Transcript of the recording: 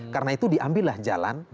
karena itu diambillah jalan